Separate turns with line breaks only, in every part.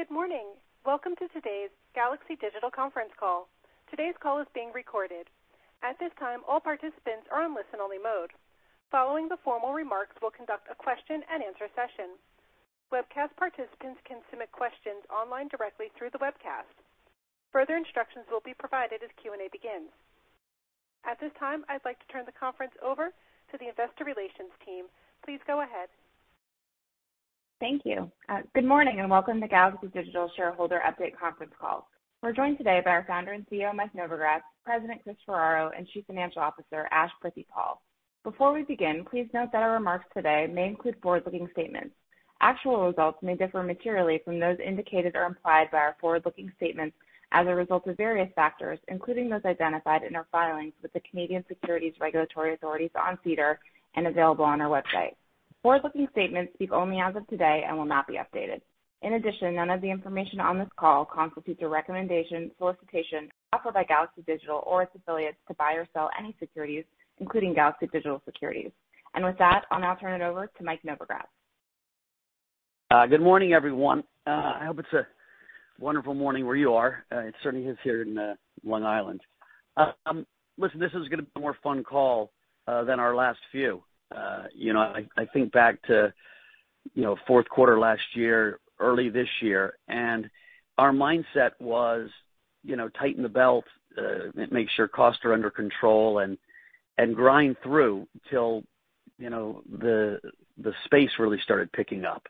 Good morning. Welcome to today's Galaxy Digital conference call. Today's call is being recorded. At this time, all participants are on listen-only mode. Following the formal remarks, we'll conduct a question-and-answer session. Webcast participants can submit questions online directly through the webcast. Further instructions will be provided as Q&A begins. At this time, I'd like to turn the conference over to the Investor Relations team. Please go ahead.
Thank you. Good morning and welcome to Galaxy Digital Shareholder Update Conference Call. We're joined today by our Founder and CEO, Mike Novogratz, President Chris Ferraro, and Chief Financial Officer, Ash Prithipaul. Before we begin, please note that our remarks today may include forward-looking statements. Actual results may differ materially from those indicated or implied by our forward-looking statements as a result of various factors, including those identified in our filings with the Canadian Securities Regulatory Authority's SEDAR and available on our website. Forward-looking statements speak only as of today and will not be updated. In addition, none of the information on this call constitutes a recommendation, solicitation, or offer by Galaxy Digital or its affiliates to buy or sell any securities, including Galaxy Digital Securities. And with that, I'll now turn it over to Mike Novogratz.
Good morning, everyone. I hope it's a wonderful morning where you are. It certainly is here in Long Island. Listen, this is going to be a more fun call than our last few. I think back to fourth quarter last year, early this year, and our mindset was tighten the belt, make sure costs are under control, and grind through till the space really started picking up.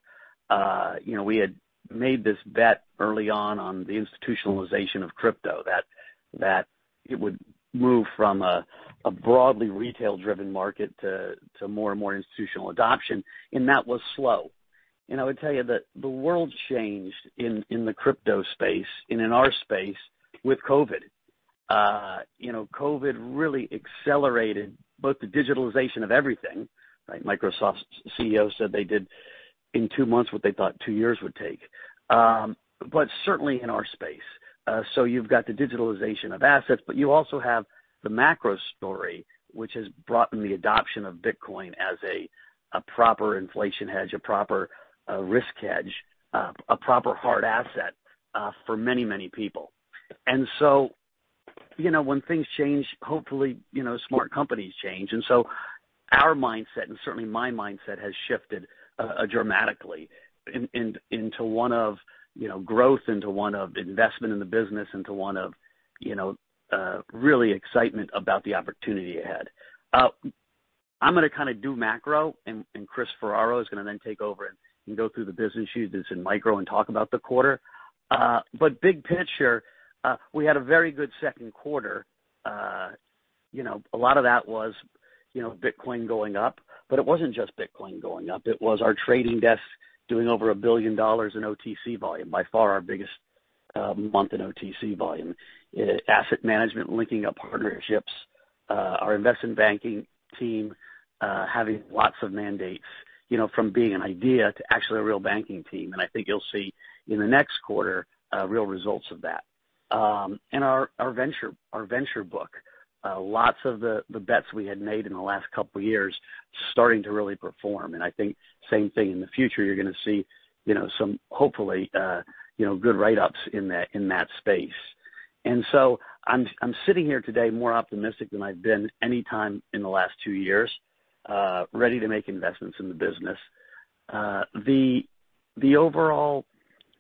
We had made this bet early on on the institutionalization of crypto, that it would move from a broadly retail-driven market to more and more institutional adoption, and that was slow. And I would tell you that the world changed in the crypto space and in our space with COVID. COVID really accelerated both the digitalization of everything. Microsoft's CEO said they did in two months what they thought two years would take, but certainly in our space. So you've got the digitalization of assets, but you also have the macro story, which has brought in the adoption of Bitcoin as a proper inflation hedge, a proper risk hedge, a proper hard asset for many, many people. And so when things change, hopefully smart companies change. And so our mindset, and certainly my mindset, has shifted dramatically into one of growth, into one of investment in the business, into one of really excitement about the opportunity ahead. I'm going to kind of do macro, and Chris Ferraro is going to then take over and go through the business cues and micro and talk about the quarter. But big picture, we had a very good second quarter. A lot of that was Bitcoin going up, but it wasn't just Bitcoin going up. It was our trading desk doing over $1 billion in OTC volume, by far our biggest month in OTC volume. Asset management linking up partnerships, our investment banking team having lots of mandates from being an idea to actually a real banking team. And I think you'll see in the next quarter real results of that. And our venture book, lots of the bets we had made in the last couple of years starting to really perform. And I think same thing in the future, you're going to see some hopefully good write-ups in that space. And so I'm sitting here today more optimistic than I've been any time in the last two years, ready to make investments in the business. The overall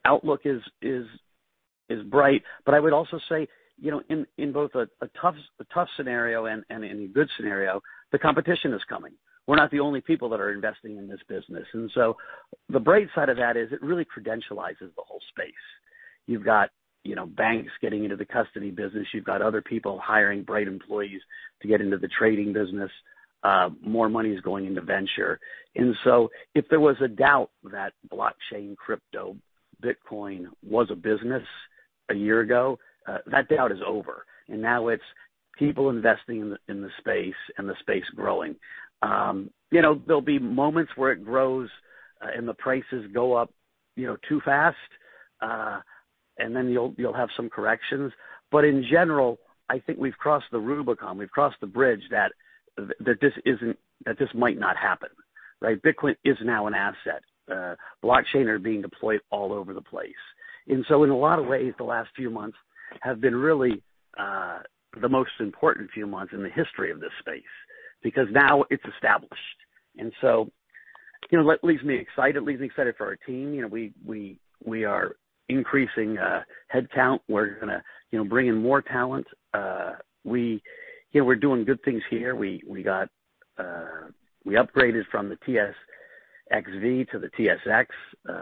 outlook is bright, but I would also say in both a tough scenario and in a good scenario, the competition is coming. We're not the only people that are investing in this business, and so the bright side of that is it really credentializes the whole space. You've got banks getting into the custody business. You've got other people hiring bright employees to get into the trading business. More money is going into venture, and so if there was a doubt that blockchain, crypto, Bitcoin was a business a year ago, that doubt is over, and now it's people investing in the space and the space growing. There'll be moments where it grows and the prices go up too fast, and then you'll have some corrections, but in general, I think we've crossed the Rubicon. We've crossed the bridge that this might not happen. Bitcoin is now an asset. Blockchain is being deployed all over the place. And so in a lot of ways, the last few months have been really the most important few months in the history of this space because now it's established. And so that leaves me excited. It leaves me excited for our team. We are increasing headcount. We're going to bring in more talent. We're doing good things here. We upgraded from the TSXV to the TSX.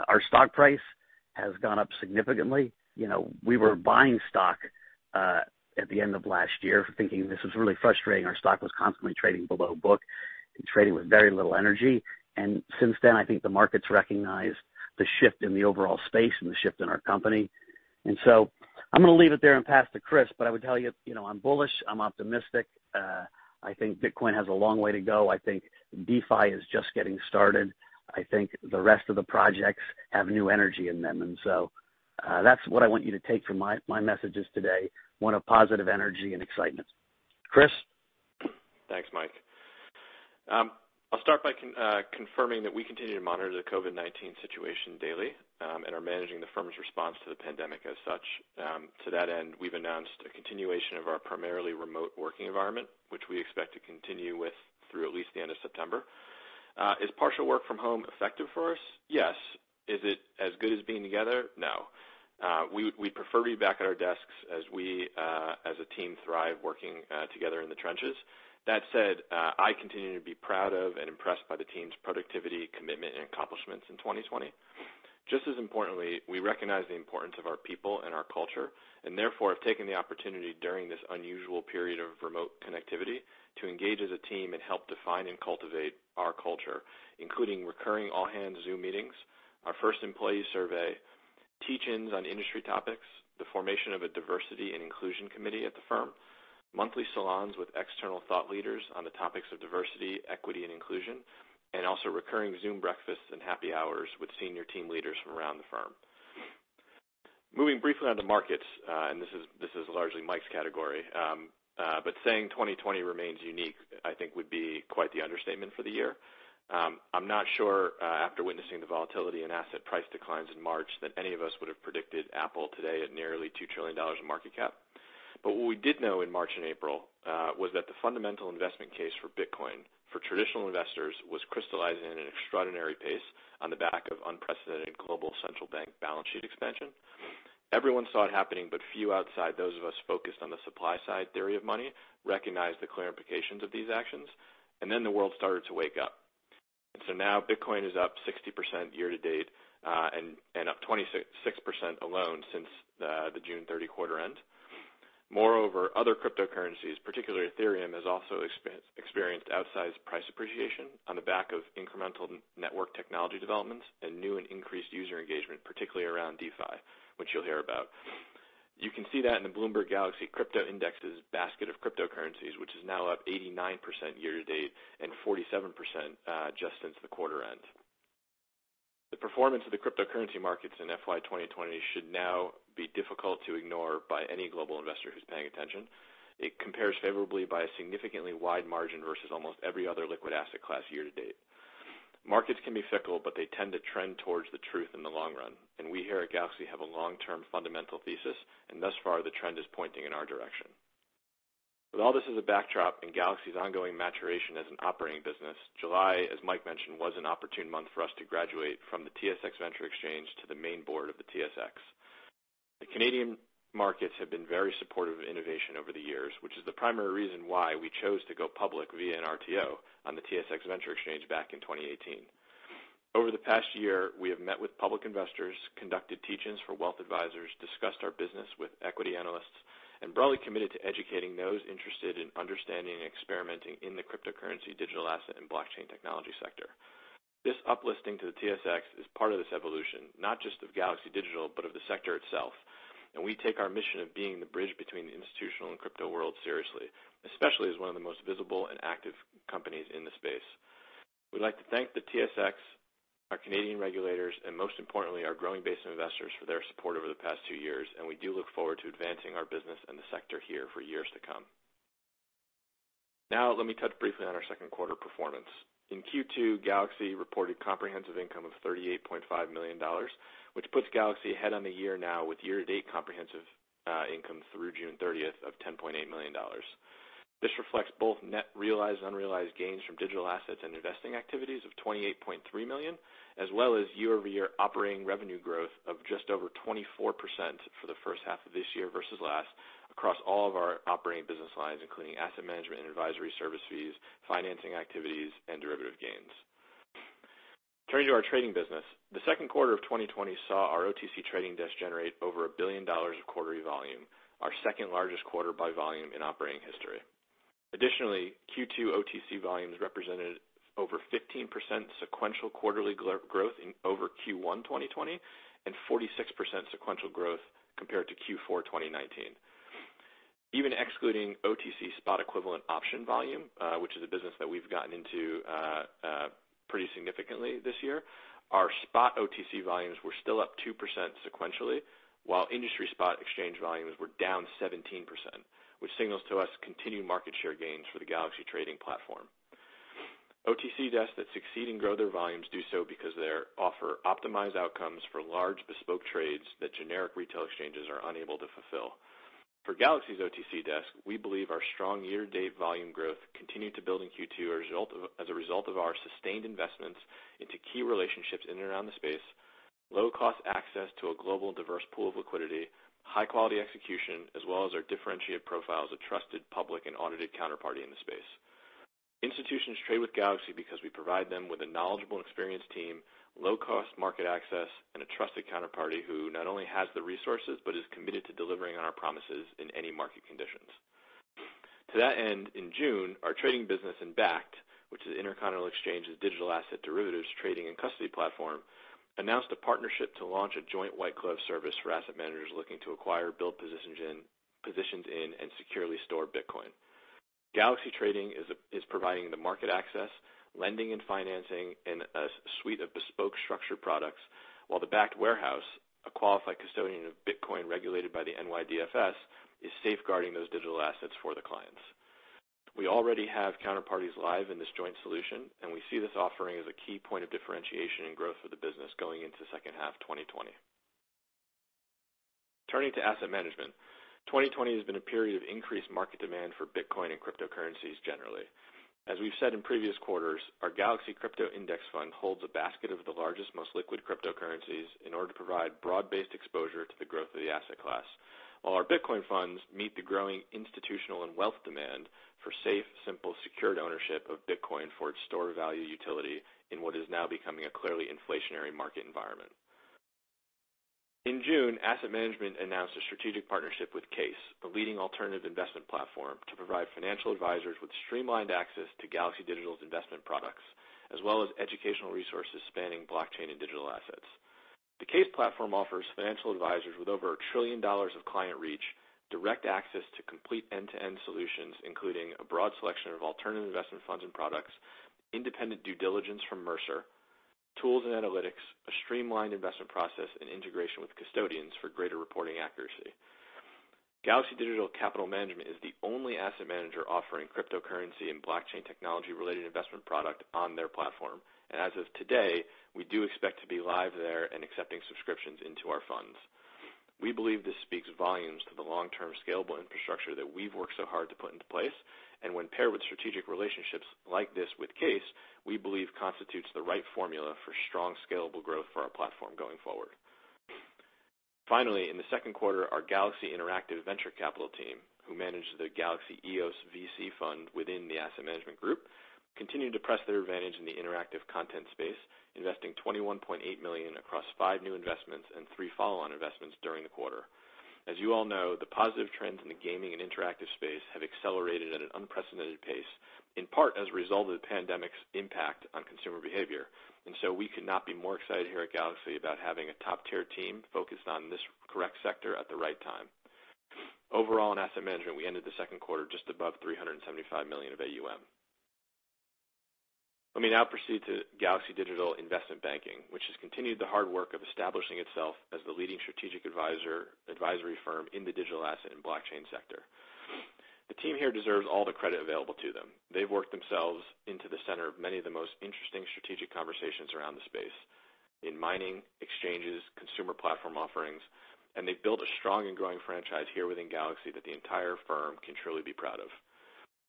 Our stock price has gone up significantly. We were buying stock at the end of last year thinking this was really frustrating. Our stock was constantly trading below book. Trading with very little energy. And since then, I think the market's recognized the shift in the overall space and the shift in our company. And so I'm going to leave it there and pass to Chris, but I would tell you I'm bullish. I'm optimistic. I think Bitcoin has a long way to go. I think DeFi is just getting started. I think the rest of the projects have new energy in them. And so that's what I want you to take from my messages today. I want a positive energy and excitement. Chris?
Thanks, Mike. I'll start by confirming that we continue to monitor the COVID-19 situation daily and are managing the firm's response to the pandemic as such. To that end, we've announced a continuation of our primarily remote working environment, which we expect to continue with through at least the end of September. Is partial work from home effective for us? Yes. Is it as good as being together? No. We prefer to be back at our desks as we, as a team, thrive working together in the trenches. That said, I continue to be proud of and impressed by the team's productivity, commitment, and accomplishments in 2020. Just as importantly, we recognize the importance of our people and our culture, and therefore have taken the opportunity during this unusual period of remote connectivity to engage as a team and help define and cultivate our culture, including recurring all-hands Zoom meetings, our first employee survey, teach-ins on industry topics, the formation of a diversity and inclusion committee at the firm, monthly salons with external thought leaders on the topics of diversity, equity, and inclusion, and also recurring Zoom breakfasts and happy hours with senior team leaders from around the firm. Moving briefly on to markets, and this is largely Mike's category, but saying 2020 remains unique, I think, would be quite the understatement for the year. I'm not sure, after witnessing the volatility in asset price declines in March, that any of us would have predicted Apple today at nearly $2 trillion in market cap. But what we did know in March and April was that the fundamental investment case for Bitcoin for traditional investors was crystallizing at an extraordinary pace on the back of unprecedented global central bank balance sheet expansion. Everyone saw it happening, but few outside those of us focused on the supply side theory of money recognized the clarifications of these actions, and then the world started to wake up. And so now Bitcoin is up 60% year to date and up 26% alone since the June 30 quarter end. Moreover, other cryptocurrencies, particularly Ethereum, has also experienced outsized price appreciation on the back of incremental network technology developments and new and increased user engagement, particularly around DeFi, which you'll hear about. You can see that in the Bloomberg Galaxy Crypto Index's basket of cryptocurrencies, which is now up 89% year to date and 47% just since the quarter end. The performance of the cryptocurrency markets in FY 2020 should now be difficult to ignore by any global investor who's paying attention. It compares favorably by a significantly wide margin versus almost every other liquid asset class year to date. Markets can be fickle, but they tend to trend towards the truth in the long run. And we here at Galaxy have a long-term fundamental thesis, and thus far the trend is pointing in our direction. With all this as a backdrop and Galaxy's ongoing maturation as an operating business, July, as Mike mentioned, was an opportune month for us to graduate from the TSX Venture Exchange to the main board of the TSX. The Canadian markets have been very supportive of innovation over the years, which is the primary reason why we chose to go public via an RTO on the TSX Venture Exchange back in 2018. Over the past year, we have met with public investors, conducted teach-ins for wealth advisors, discussed our business with equity analysts, and broadly committed to educating those interested in understanding and experimenting in the cryptocurrency, digital asset, and blockchain technology sector. This uplifting to the TSX is part of this evolution, not just of Galaxy Digital, but of the sector itself, and we take our mission of being the bridge between the institutional and crypto world seriously, especially as one of the most visible and active companies in the space. We'd like to thank the TSX, our Canadian regulators, and most importantly, our growing base of investors for their support over the past two years, and we do look forward to advancing our business and the sector here for years to come. Now, let me touch briefly on our second quarter performance. In Q2, Galaxy reported comprehensive income of $38.5 million, which puts Galaxy ahead on the year now with year-to-date comprehensive income through June 30th of $10.8 million. This reflects both net realized and unrealized gains from digital assets and investing activities of $28.3 million, as well as year-over-year operating revenue growth of just over 24% for the first half of this year versus last across all of our operating business lines, including asset management and advisory service fees, financing activities, and derivative gains. Turning to our trading business, the second quarter of 2020 saw our OTC trading desk generate over a billion dollars of quarterly volume, our second largest quarter by volume in operating history. Additionally, Q2 OTC volumes represented over 15% sequential quarterly growth over Q1 2020 and 46% sequential growth compared to Q4 2019. Even excluding OTC spot equivalent option volume, which is a business that we've gotten into pretty significantly this year, our spot OTC volumes were still up 2% sequentially, while industry spot exchange volumes were down 17%, which signals to us continued market share gains for the Galaxy trading platform. OTC desks that succeed in growing their volumes do so because they offer optimized outcomes for large bespoke trades that generic retail exchanges are unable to fulfill. For Galaxy's OTC desk, we believe our strong year-to-date volume growth continued to build in Q2 as a result of our sustained investments into key relationships in and around the space, low-cost access to a global diverse pool of liquidity, high-quality execution, as well as our differentiated profile as a trusted public and audited counterparty in the space. Institutions trade with Galaxy because we provide them with a knowledgeable and experienced team, low-cost market access, and a trusted counterparty who not only has the resources but is committed to delivering on our promises in any market conditions. To that end, in June, our trading business in Bakkt, which is Intercontinental Exchange's digital asset derivatives trading and custody platform, announced a partnership to launch a joint white glove service for asset managers looking to acquire, build positions in, and securely store Bitcoin. Galaxy Trading is providing the market access, lending and financing, and a suite of bespoke structured products, while the Bakkt Warehouse, a qualified custodian of Bitcoin regulated by the NYDFS, is safeguarding those digital assets for the clients. We already have counterparties live in this joint solution, and we see this offering as a key point of differentiation and growth for the business going into second half 2020. Turning to asset management, 2020 has been a period of increased market demand for Bitcoin and cryptocurrencies generally. As we've said in previous quarters, our Galaxy Crypto Index Fund holds a basket of the largest, most liquid cryptocurrencies in order to provide broad-based exposure to the growth of the asset class, while our Bitcoin funds meet the growing institutional and wealth demand for safe, simple, secured ownership of Bitcoin for its store value utility in what is now becoming a clearly inflationary market environment. In June, Asset Management announced a strategic partnership with CAIS, a leading alternative investment platform to provide financial advisors with streamlined access to Galaxy Digital's investment products, as well as educational resources spanning blockchain and digital assets. The CAIS platform offers financial advisors with over $1 trillion of client reach, direct access to complete end-to-end solutions, including a broad selection of alternative investment funds and products, independent due diligence from Mercer, tools and analytics, a streamlined investment process, and integration with custodians for greater reporting accuracy. Galaxy Digital Capital Management is the only asset manager offering cryptocurrency and blockchain technology-related investment product on their platform. As of today, we do expect to be live there and accepting subscriptions into our funds. We believe this speaks volumes to the long-term scalable infrastructure that we've worked so hard to put into place. And when paired with strategic relationships like this with CAIS, we believe constitutes the right formula for strong scalable growth for our platform going forward. Finally, in the second quarter, our Galaxy Interactive venture capital team, who manages the Galaxy EOS VC Fund within the asset management group, continued to press their advantage in the interactive content space, investing $21.8 million across five new investments and three follow-on investments during the quarter. As you all know, the positive trends in the gaming and interactive space have accelerated at an unprecedented pace, in part as a result of the pandemic's impact on consumer behavior. And so we could not be more excited here at Galaxy about having a top-tier team focused on this correct sector at the right time. Overall, in asset management, we ended the second quarter just above $375 million of AUM. Let me now proceed to Galaxy Digital Investment Banking, which has continued the hard work of establishing itself as the leading strategic advisory firm in the digital asset and blockchain sector. The team here deserves all the credit available to them. They've worked themselves into the center of many of the most interesting strategic conversations around the space in mining, exchanges, consumer platform offerings, and they've built a strong and growing franchise here within Galaxy that the entire firm can truly be proud of.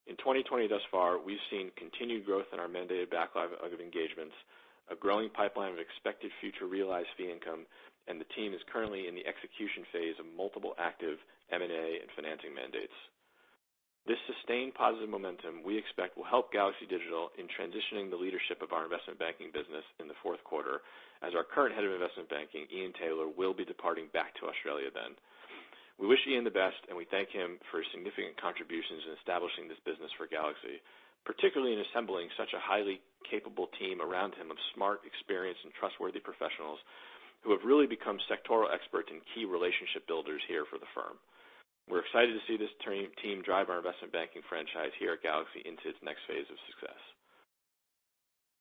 In 2020 thus far, we've seen continued growth in our mandated backlog of engagements, a growing pipeline of expected future realized fee income, and the team is currently in the execution phase of multiple active M&A and financing mandates. This sustained positive momentum we expect will help Galaxy Digital in transitioning the leadership of our investment banking business in the fourth quarter, as our current head of investment banking, Ian Taylor, will be departing back to Australia then. We wish Ian the best, and we thank him for his significant contributions in establishing this business for Galaxy, particularly in assembling such a highly capable team around him of smart, experienced, and trustworthy professionals who have really become sectoral experts and key relationship builders here for the firm. We're excited to see this team drive our investment banking franchise here at Galaxy into its next phase of success.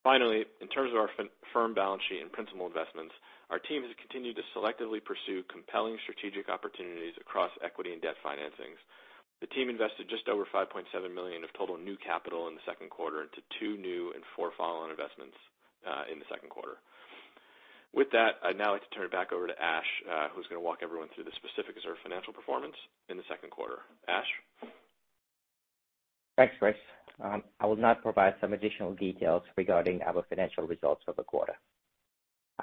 Finally, in terms of our firm balance sheet and principal investments, our team has continued to selectively pursue compelling strategic opportunities across equity and debt financings. The team invested just over $5.7 million of total new capital in the second quarter into two new and four follow-on investments in the second quarter. With that, I'd now like to turn it back over to Ash, who's going to walk everyone through the specifics of our financial performance in the second quarter. Ash?
Thanks, Chris. I will now provide some additional details regarding our financial results for the quarter.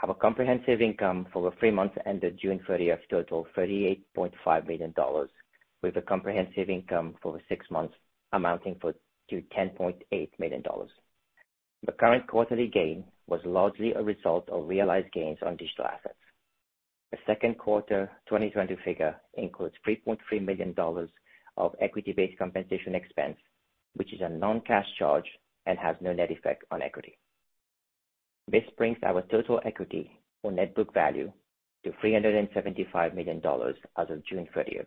Our comprehensive income for the three months ended June 30th totaled $38.5 million, with a comprehensive income for the six months amounting to $10.8 million. The current quarterly gain was largely a result of realized gains on digital assets. The second quarter 2020 figure includes $3.3 million of equity-based compensation expense, which is a non-cash charge and has no net effect on equity. This brings our total equity or net book value to $375 million as of June 30th,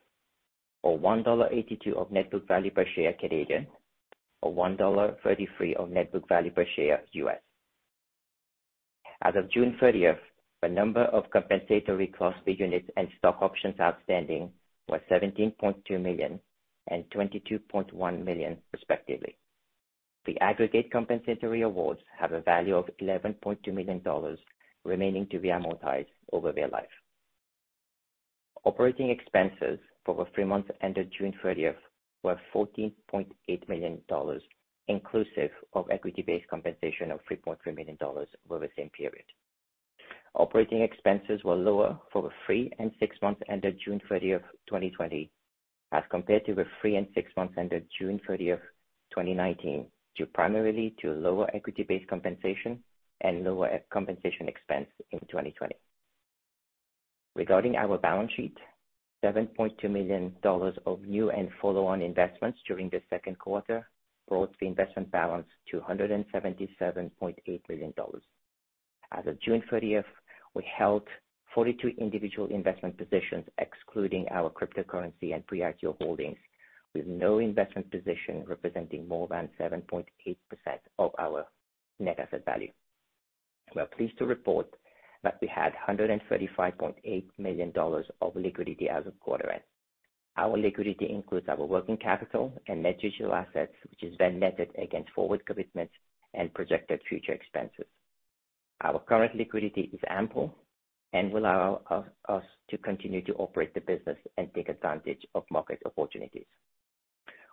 or 1.82 dollar of net book value per share, or $1.33 of net book value per share. As of June 30th, the number of compensatory cost per unit and stock options outstanding was $17.2 million and $22.1 million, respectively. The aggregate compensatory awards have a value of $11.2 million remaining to be amortized over their life. Operating expenses for the three months ended June 30th were $14.8 million, inclusive of equity-based compensation of $3.3 million over the same period. Operating expenses were lower for the three and six months ended June 30th, 2020, as compared to the three and six months ended June 30th, 2019, due primarily to lower equity-based compensation and lower compensation expense in 2020. Regarding our balance sheet, $7.2 million of new and follow-on investments during the second quarter brought the investment balance to $177.8 million. As of June 30th, we held 42 individual investment positions, excluding our cryptocurrency and pre-IPO holdings, with no investment position representing more than 7.8% of our net asset value. We are pleased to report that we had $135.8 million of liquidity as of quarter end. Our liquidity includes our working capital and net digital assets, which is then netted against forward commitments and projected future expenses. Our current liquidity is ample and will allow us to continue to operate the business and take advantage of market opportunities.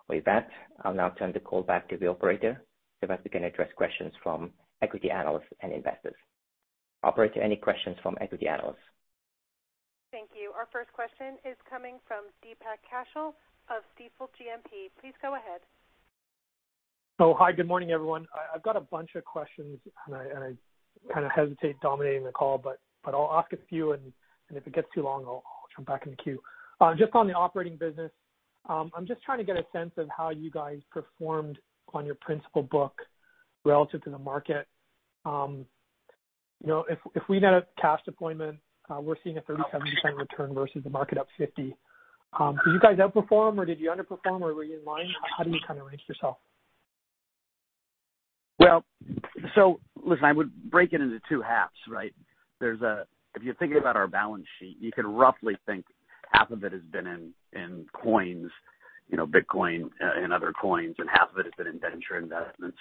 With that, I'll now turn the call back to the operator so that we can address questions from equity analysts and investors. Operator, any questions from equity analysts?
Thank you. Our first question is coming from Deepak Kaushal of Stifel GMP. Please go ahead.
Oh, hi. Good morning, everyone. I've got a bunch of questions, and I kind of hesitate dominating the call, but I'll ask a few, and if it gets too long, I'll jump back in the queue. Just on the operating business, I'm just trying to get a sense of how you guys performed on your principal book relative to the market. If we had a cash deployment, we're seeing a 37% return versus the market up 50%. Did you guys outperform, or did you underperform, or were you in line? How do you kind of rank yourself?
Well, so listen, I would break it into two halves, right? If you're thinking about our balance sheet, you can roughly think half of it has been in coins, Bitcoin and other coins, and half of it has been in venture investments.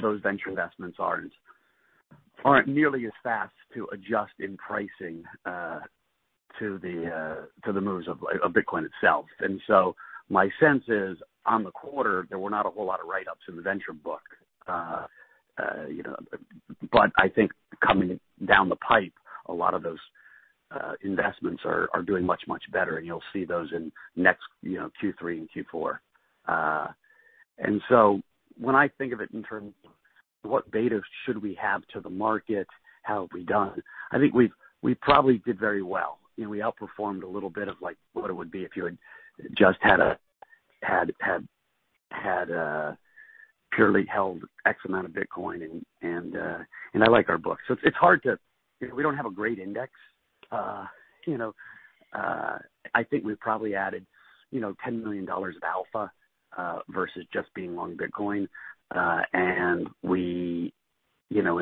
Those venture investments aren't nearly as fast to adjust in pricing to the moves of Bitcoin itself. And so my sense is, on the quarter, there were not a whole lot of write-ups in the venture book. But I think coming down the pipe, a lot of those investments are doing much, much better, and you'll see those in Q3 and Q4. And so when I think of it in terms of what beta should we have to the market, how have we done? I think we probably did very well. We outperformed a little bit of what it would be if you had just had purely held an amount of Bitcoin, and I like our book. So it's hard to, we don't have a great index. I think we've probably added $10 million of alpha versus just being long Bitcoin. And in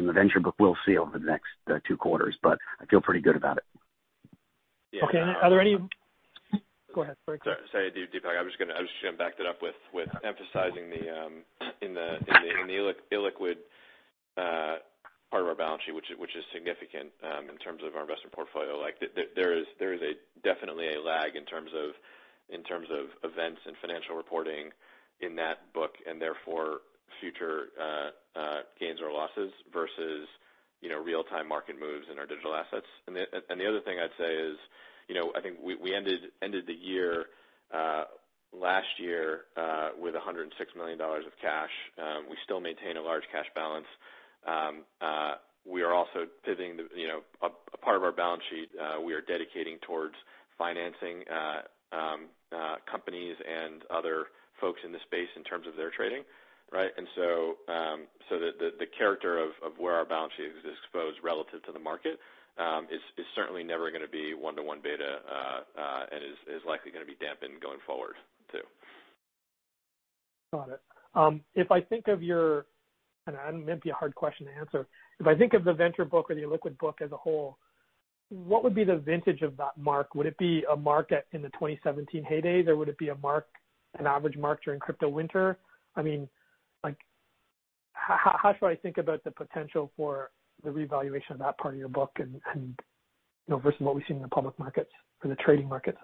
the venture book, we'll see over the next two quarters, but I feel pretty good about it.
Okay. Are there any? Go ahead, sorry.
Sorry, Deepak. I was just going to back that up with emphasizing the illiquid part of our balance sheet, which is significant in terms of our investment portfolio. There is definitely a lag in terms of events and financial reporting in that book, and therefore future gains or losses versus real-time market moves in our digital assets, and the other thing I'd say is I think we ended the year last year with $106 million of cash. We still maintain a large cash balance. We are also pivoting a part of our balance sheet. We are dedicating towards financing companies and other folks in the space in terms of their trading, right, and so the character of where our balance sheet is exposed relative to the market is certainly never going to be one-to-one beta and is likely going to be dampened going forward too.
Got it. If I think of your - and it may be a hard question to answer - if I think of the venture book or the illiquid book as a whole, what would be the vintage of that mark? Would it be a mark in the 2017 heyday, or would it be an average mark during crypto winter? I mean, how should I think about the potential for the revaluation of that part of your book versus what we've seen in the public markets or the trading markets?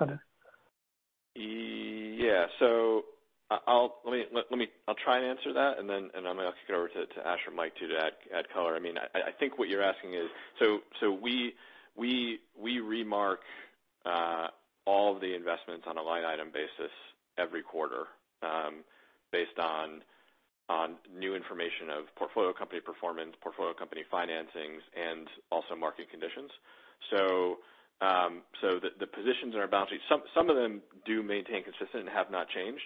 Yeah. So I'll try and answer that, and then I'll kick it over to Ash or Mike to add color. I mean, I think what you're asking is, so we remark all of the investments on a line item basis every quarter based on new information of portfolio company performance, portfolio company financings, and also market conditions. So the positions in our balance sheet, some of them do maintain consistent and have not changed.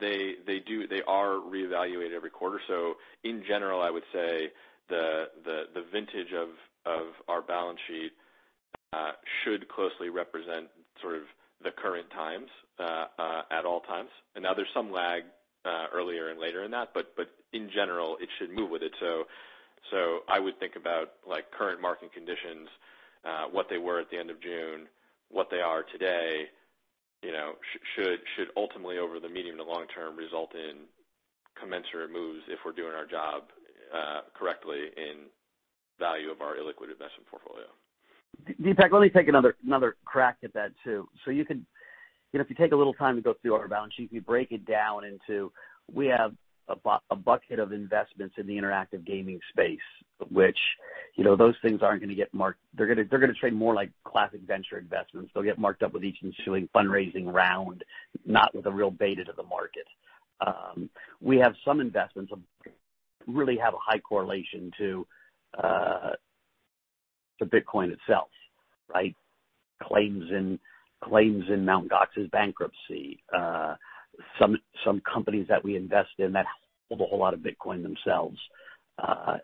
They are reevaluated every quarter. So in general, I would say the vintage of our balance sheet should closely represent sort of the current times at all times. And now there's some lag earlier and later in that, but in general, it should move with it. So I would think about current market conditions, what they were at the end of June, what they are today, should ultimately, over the medium to long term, result in commensurate moves if we're doing our job correctly in value of our illiquid investment portfolio.
Deepak, let me take another crack at that too. So if you take a little time to go through our balance sheet, if you break it down into, we have a bucket of investments in the interactive gaming space, which those things aren't going to get marked, they're going to trade more like classic venture investments. They'll get marked up with each ensuing fundraising round, not with a real beta to the market. We have some investments that really have a high correlation to Bitcoin itself, right? Claims in Mt. Gox's bankruptcy, some companies that we invest in that hold a whole lot of Bitcoin themselves.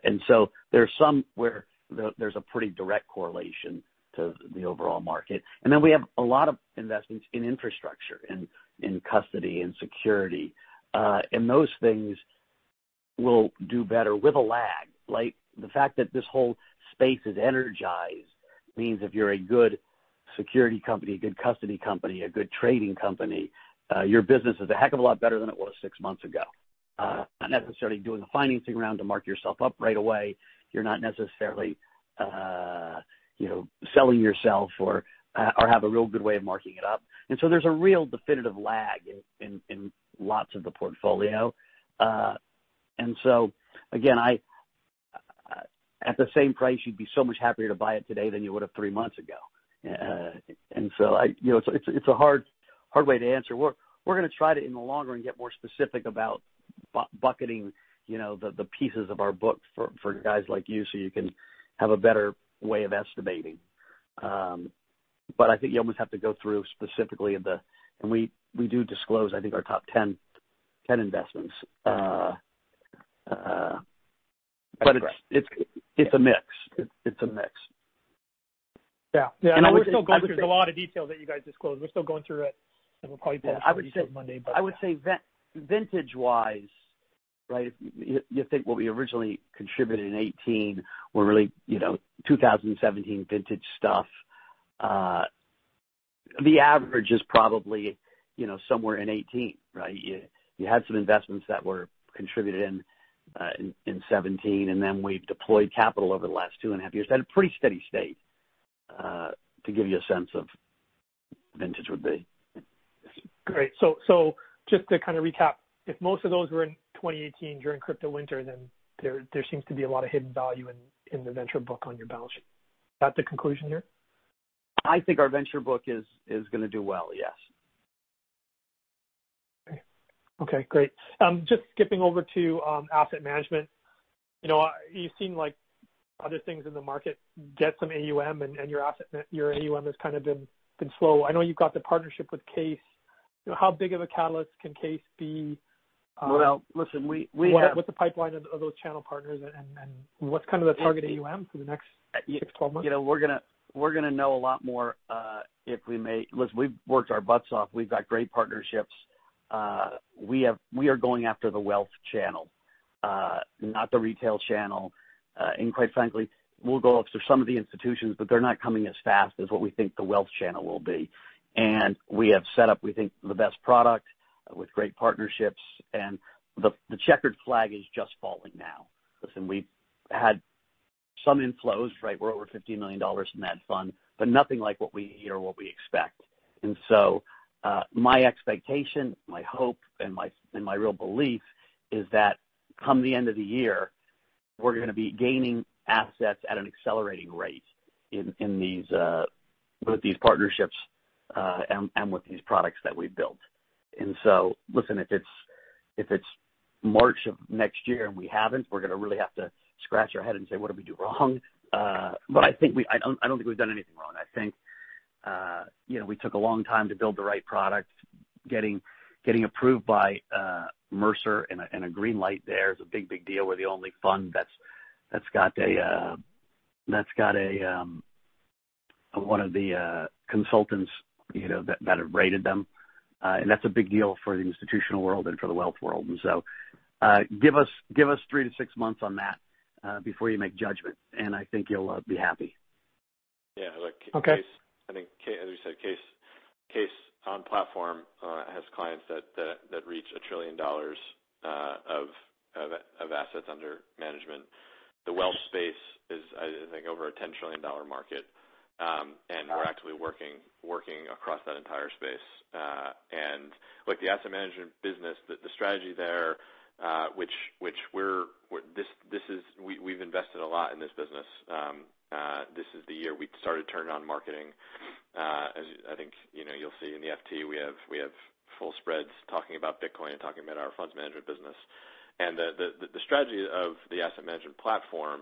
And so there's some where there's a pretty direct correlation to the overall market. And then we have a lot of investments in infrastructure, in custody, in security. And those things will do better with a lag. The fact that this whole space is energized means if you're a good security company, a good custody company, a good trading company, your business is a heck of a lot better than it was six months ago. Not necessarily doing a financing round to mark yourself up right away. You're not necessarily selling yourself or have a real good way of marking it up. And so there's a real definitive lag in lots of the portfolio. And so again, at the same price, you'd be so much happier to buy it today than you would have three months ago. And so it's a hard way to answer. We're going to try to, in the long run, get more specific about bucketing the pieces of our book for guys like you so you can have a better way of estimating. But I think you almost have to go through specifically the, and we do disclose, I think, our top 10 investments. But it's a mix. It's a mix.
Yeah, and we're still going through, there's a lot of details that you guys disclose. We're still going through it, and we'll probably publish the details Monday, but.
I would say vintage-wise, right, you think what we originally contributed in 2018 were really 2017 vintage stuff. The average is probably somewhere in 2018, right? You had some investments that were contributed in 2017, and then we've deployed capital over the last two and a half years. That's a pretty steady state to give you a sense of vintage would be.
Great. So just to kind of recap, if most of those were in 2018 during crypto winter, then there seems to be a lot of hidden value in the venture book on your balance sheet. Is that the conclusion here?
I think our venture book is going to do well, yes.
Okay. Okay. Great. Just skipping over to asset management, you seem like other things in the market get some AUM, and your AUM has kind of been slow. I know you've got the partnership with CAIS. How big of a catalyst can CAIS be?
Well, listen, we have.
What's the pipeline of those channel partners, and what's kind of the target AUM for the next six, 12 months?
We're going to know a lot more if we may. Listen, we've worked our butts off. We've got great partnerships. We are going after the wealth channel, not the retail channel, and quite frankly, we'll go after some of the institutions, but they're not coming as fast as what we think the wealth channel will be, and we have set up, we think, the best product with great partnerships, and the checkered flag is just falling now. Listen, we've had some inflows, right? We're over $15 million in that fund, but nothing like what we need or what we expect, and so my expectation, my hope, and my real belief is that come the end of the year, we're going to be gaining assets at an accelerating rate in both these partnerships and with these products that we've built. And so listen, if it's March of next year and we haven't, we're going to really have to scratch our head and say, "What did we do wrong?" But I don't think we've done anything wrong. I think we took a long time to build the right product. Getting approved by Mercer and a green light there is a big, big deal. We're the only fund that's got one of the consultants that have rated them. And that's a big deal for the institutional world and for the wealth world. And so give us three to six months on that before you make judgments, and I think you'll be happy.
Yeah. I think, as we said, CAIS platform has clients that reach $1 trillion of assets under management. The wealth space is, I think, over a $10 trillion market, and we're actively working across that entire space. Look, the asset management business, the strategy there, which we've invested a lot in this business, this is the year we started turning on marketing. I think you'll see in the FT we have full spreads talking about Bitcoin and talking about our funds management business. The strategy of the asset management platform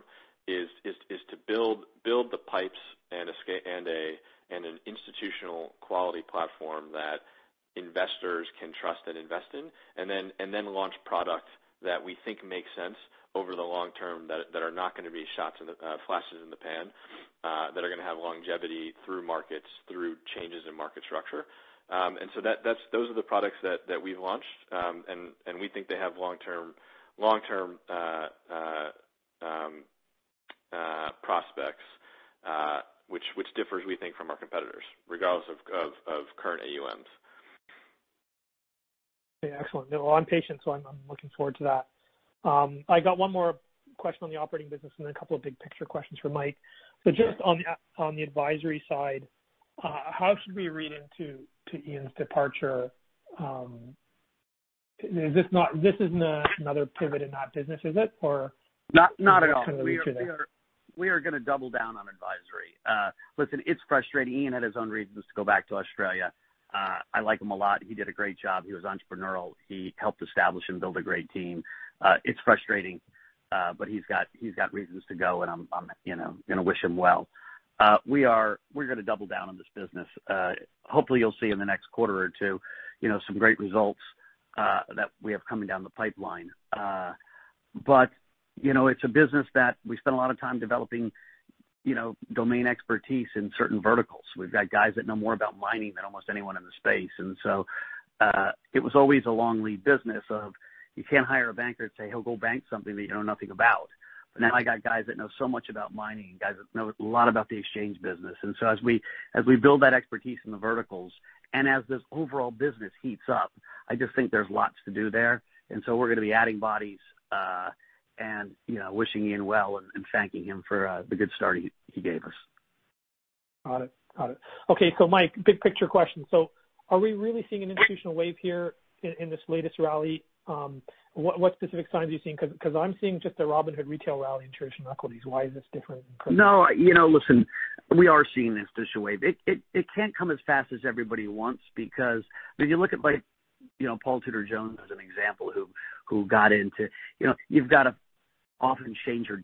is to build the pipes and an institutional quality platform that investors can trust and invest in, and then launch products that we think make sense over the long term that are not going to be flashes in the pan, that are going to have longevity through markets, through changes in market structure. Those are the products that we've launched, and we think they have long-term prospects, which differs, we think, from our competitors, regardless of current AUMs.
Okay. Excellent. I'm patient, so I'm looking forward to that. I got one more question on the operating business and then a couple of big picture questions for Mike. So just on the advisory side, how should we read into Ian's departure? This isn't another pivot in that business, is it? Or just kind of reaching there?
Not at all. We are going to double down on advisory. Listen, it's frustrating. Ian had his own reasons to go back to Australia. I like him a lot. He did a great job. He was entrepreneurial. He helped establish and build a great team. It's frustrating, but he's got reasons to go, and I'm going to wish him well. We're going to double down on this business. Hopefully, you'll see in the next quarter or two some great results that we have coming down the pipeline. But it's a business that we spent a lot of time developing domain expertise in certain verticals. We've got guys that know more about mining than almost anyone in the space. And so it was always a long lead business of you can't hire a banker and say, "He'll go bank something that you know nothing about." But now I got guys that know so much about mining and guys that know a lot about the exchange business. And so as we build that expertise in the verticals and as this overall business heats up, I just think there's lots to do there. And so we're going to be adding bodies and wishing Ian well and thanking him for the good start he gave us.
Got it. Got it. Okay. So Mike, big picture question. So are we really seeing an institutional wave here in this latest rally? What specific signs are you seeing? Because I'm seeing just the Robinhood retail rally in traditional equities. Why is this different?
No. Listen, we are seeing an institutional wave. It can't come as fast as everybody wants because if you look at Paul Tudor Jones as an example who got into, you've got to often change your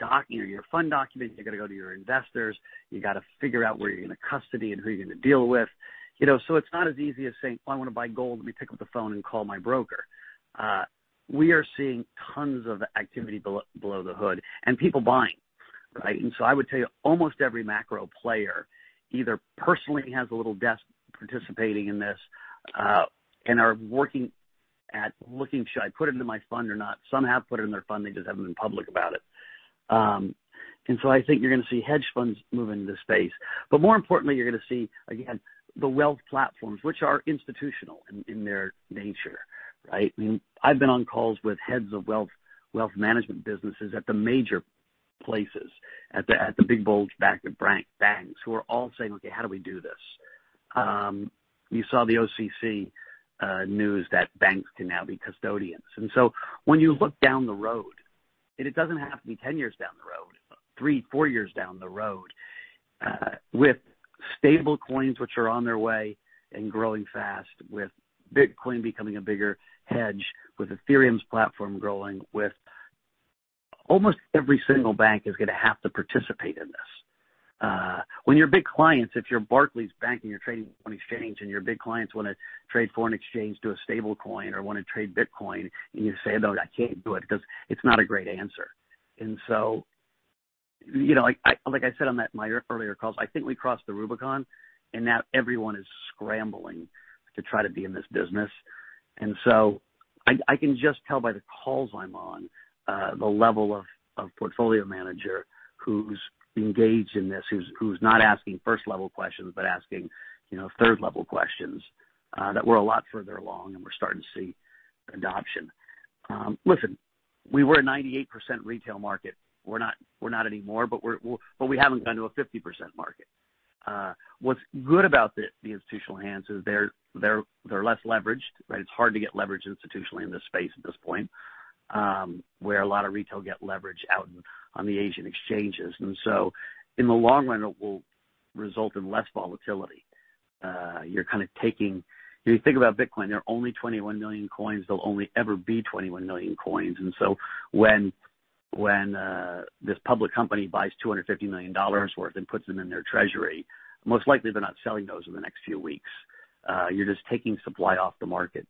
fund documents. You've got to go to your investors. You've got to figure out where you're going to custody and who you're going to deal with. So it's not as easy as saying, "Oh, I want to buy gold. Let me pick up the phone and call my broker." We are seeing tons of activity under the hood and people buying, right? And so I would tell you almost every macro player either personally has a little desk participating in this and are working at looking, "Should I put it into my fund or not?" Some have put it in their fund. They just haven't been public about it. And so I think you're going to see hedge funds move into the space. But more importantly, you're going to see, again, the wealth platforms, which are institutional in their nature, right? I mean, I've been on calls with heads of wealth management businesses at the major places, at the big bulge-bracket banks, who are all saying, "Okay, how do we do this?" You saw the OCC news that banks can now be custodians. And so when you look down the road, and it doesn't have to be 10 years down the road, three, four years down the road, with stablecoins which are on their way and growing fast, with Bitcoin becoming a bigger hedge, with Ethereum's platform growing, with almost every single bank is going to have to participate in this. When your big clients, if you're Barclays Bank and you're trading on exchange and your big clients want to trade foreign exchange to a stablecoin or want to trade Bitcoin, and you say, "No, I can't do it," it's not a great answer. And so like I said on my earlier calls, I think we crossed the Rubicon, and now everyone is scrambling to try to be in this business. And so I can just tell by the calls I'm on the level of portfolio manager who's engaged in this, who's not asking first-level questions but asking third-level questions, that we're a lot further along, and we're starting to see adoption. Listen, we were a 98% retail market. We're not anymore, but we haven't gone to a 50% market. What's good about the institutional hands is they're less leveraged, right? It's hard to get leveraged institutionally in this space at this point, where a lot of retail get leveraged out on the Asian exchanges. And so in the long run, it will result in less volatility. You're kind of taking, if you think about Bitcoin, there are only 21 million coins. There'll only ever be 21 million coins. And so when this public company buys $250 million worth and puts them in their treasury, most likely they're not selling those in the next few weeks. You're just taking supply off the market.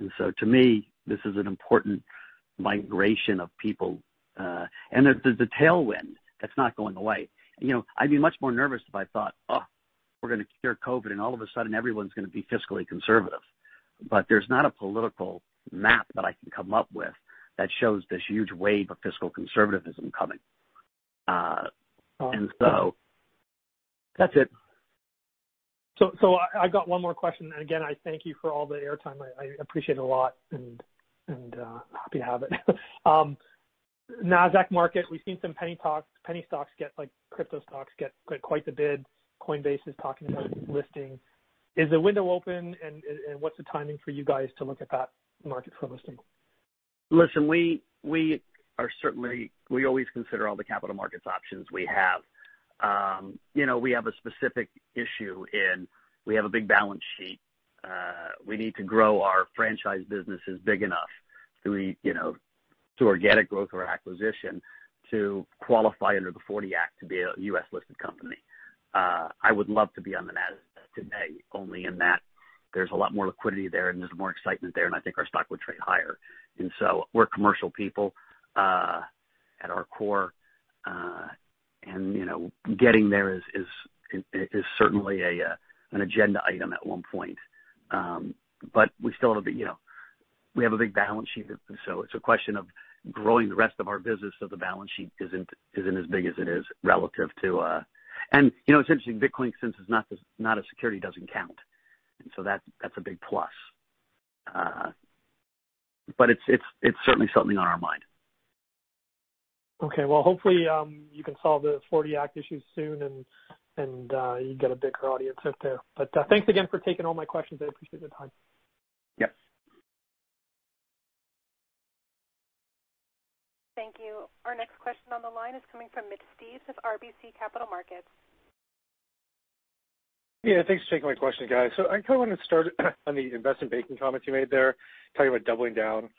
And so to me, this is an important migration of people. And there's the tailwind that's not going away. I'd be much more nervous if I thought, "Oh, we're going to cure COVID, and all of a sudden, everyone's going to be fiscally conservative." But there's not a political map that I can come up with that shows this huge wave of fiscal conservatism coming. And so that's it.
So I've got one more question. And again, I thank you for all the airtime. I appreciate it a lot, and I'm happy to have it. Nasdaq market, we've seen some crypto stocks get quite the bid. Coinbase is talking about listing. Is the window open, and what's the timing for you guys to look at that market for listing?
Listen, we always consider all the capital markets options we have. We have a specific issue in that we have a big balance sheet. We need to grow our franchise businesses big enough to organic growth or acquisition to qualify under the 40 Act to be a U.S.-listed company. I would love to be on the Nasdaq today, only in that there's a lot more liquidity there, and there's more excitement there, and I think our stock would trade higher. And so we're commercial people at our core, and getting there is certainly an agenda item at one point. But we still have a big balance sheet. So it's a question of growing the rest of our business so the balance sheet isn't as big as it is relative to, and it's interesting. Bitcoin, since it's not a security, doesn't count. And so that's a big plus. But it's certainly something on our mind.
Okay. Well, hopefully, you can solve the 40 Act issues soon, and you get a bigger audience out there. But thanks again for taking all my questions. I appreciate the time.
Yep.
Thank you. Our next question on the line is coming from Mitch Steves of RBC Capital Markets.
Yeah. Thanks for taking my question, guys. So I kind of wanted to start on the investment banking comments you made there, talking about doubling down.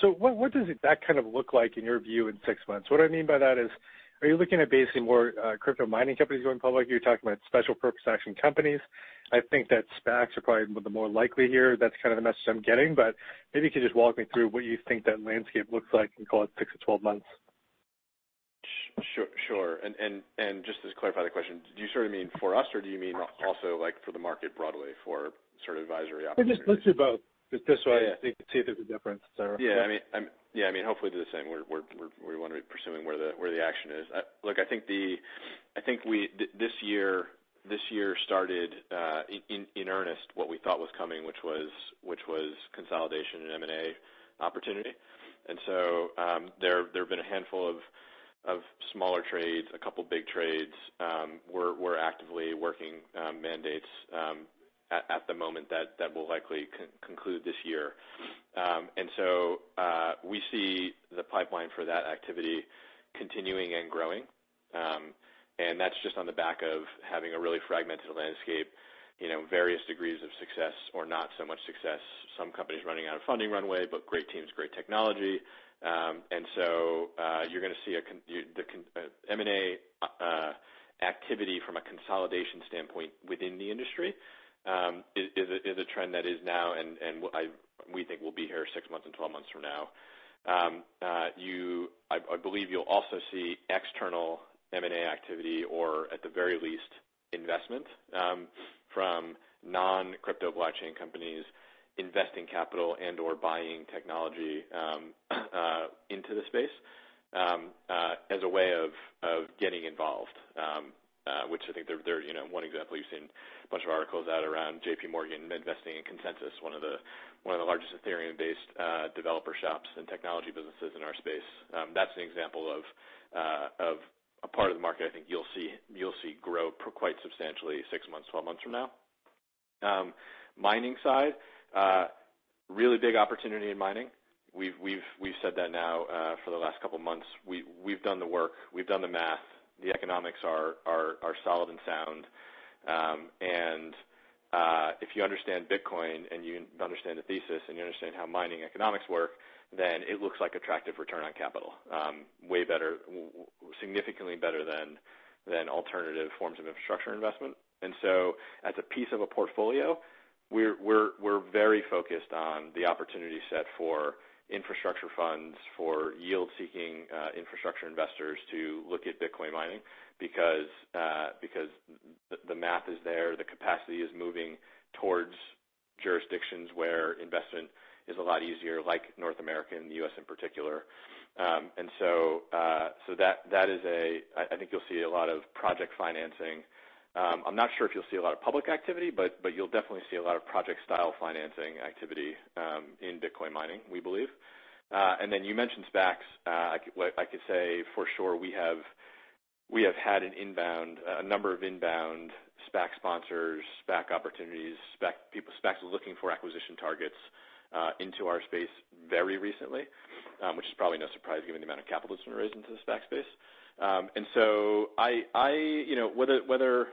So what does that kind of look like in your view in six months? What I mean by that is, are you looking at basically more crypto mining companies going public? Are you talking about special purpose acquisition companies? I think that SPACs are probably the more likely here. That's kind of the message I'm getting. But maybe you could just walk me through what you think that landscape looks like in call it six to 12 months.
Sure. And just to clarify the question, do you sort of mean for us, or do you mean also for the market broadly for sort of advisory options?
Just both. Just so I see if there's a difference.
Yeah. I mean, hopefully, the same. We want to be pursuing where the action is. Look, I think this year started in earnest what we thought was coming, which was consolidation and M&A opportunity. And so there have been a handful of smaller trades, a couple of big trades. We're actively working mandates at the moment that will likely conclude this year. And so we see the pipeline for that activity continuing and growing. And that's just on the back of having a really fragmented landscape, various degrees of success or not so much success. Some companies running out of funding runway, but great teams, great technology. And so you're going to see the M&A activity from a consolidation standpoint within the industry is a trend that is now, and we think will be here 6 months and 12 months from now. I believe you'll also see external M&A activity or, at the very least, investment from non-crypto blockchain companies investing capital and/or buying technology into the space as a way of getting involved, which I think they're one example. You've seen a bunch of articles out around JPMorgan investing in ConsenSys, one of the largest Ethereum-based developer shops and technology businesses in our space. That's an example of a part of the market I think you'll see grow quite substantially six months, 12 months from now. Mining side, really big opportunity in mining. We've said that now for the last couple of months. We've done the work. We've done the math. The economics are solid and sound. And if you understand Bitcoin and you understand the thesis and you understand how mining economics work, then it looks like attractive return on capital, significantly better than alternative forms of infrastructure investment. And so as a piece of a portfolio, we're very focused on the opportunity set for infrastructure funds, for yield-seeking infrastructure investors to look at Bitcoin mining because the math is there. The capacity is moving towards jurisdictions where investment is a lot easier, like North America and the U.S. in particular. And so that is. I think you'll see a lot of project financing. I'm not sure if you'll see a lot of public activity, but you'll definitely see a lot of project-style financing activity in Bitcoin mining, we believe. And then you mentioned SPACs. I could say for sure we have had a number of inbound SPAC sponsors, SPAC opportunities, SPACs looking for acquisition targets into our space very recently, which is probably no surprise given the amount of capital that's been raised into the SPAC space. And so whether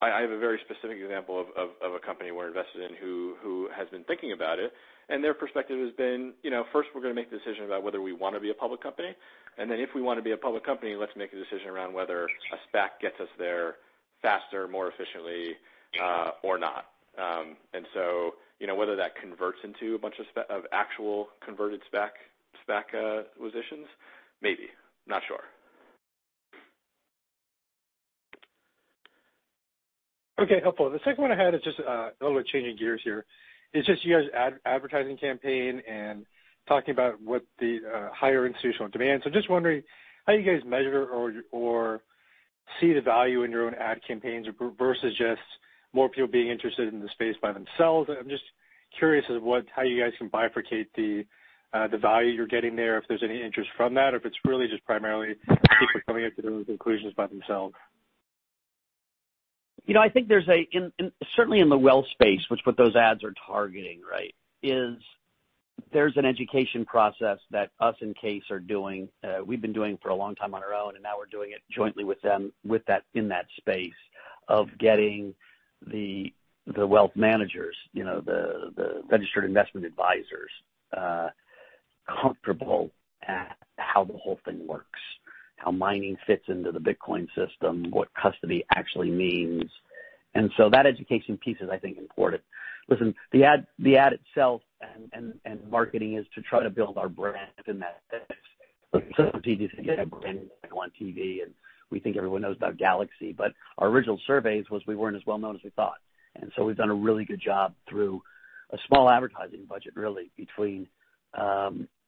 I have a very specific example of a company we're invested in who has been thinking about it, and their perspective has been, "First, we're going to make the decision about whether we want to be a public company. And then if we want to be a public company, let's make a decision around whether a SPAC gets us there faster, more efficiently, or not." And so whether that converts into a bunch of actual converted SPAC positions, maybe. Not sure.
Okay. Helpful. The second one I had is just a little bit changing gears here. It's just you guys' advertising campaign and talking about what the higher institutional demand. So I'm just wondering how you guys measure or see the value in your own ad campaigns versus just more people being interested in the space by themselves. I'm just curious as to how you guys can bifurcate the value you're getting there, if there's any interest from that, or if it's really just primarily people coming up to those conclusions by themselves?
I think there's a certainly in the wealth space, what those ads are targeting, right, is there's an education process that us, Inc., are doing. We've been doing for a long time on our own, and now we're doing it jointly with them in that space of getting the wealth managers, the registered investment advisors, comfortable at how the whole thing works, how mining fits into the Bitcoin system, what custody actually means, and so that education piece is, I think, important. Listen, the ad itself and marketing is to try to build our brand in that sense. It's so easy to get a brand on TV, and we think everyone knows about Galaxy, but our original surveys was we weren't as well known as we thought. And so we've done a really good job through a small advertising budget, really, between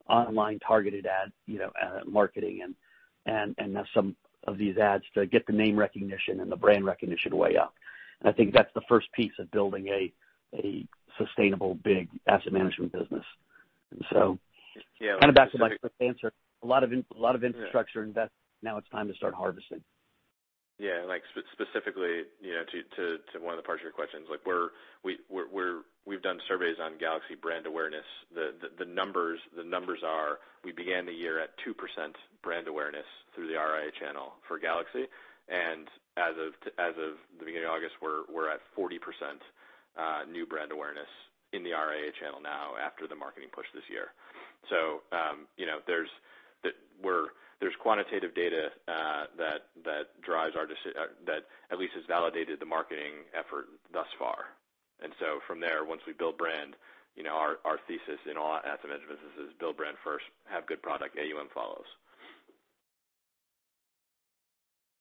online targeted ad marketing and some of these ads to get the name recognition and the brand recognition way up. And I think that's the first piece of building a sustainable, big asset management business. And so kind of back to my first answer, a lot of infrastructure investment. Now it's time to start harvesting.
Yeah. Specifically to one of the partial questions, we've done surveys on Galaxy brand awareness. The numbers are we began the year at 2% brand awareness through the IRA channel for Galaxy. And as of the beginning of August, we're at 40% new brand awareness in the IRA channel now after the marketing push this year. So there's quantitative data that drives our decision that at least has validated the marketing effort thus far. And so from there, once we build brand, our thesis in all asset management businesses is build brand first, have good product, AUM follows.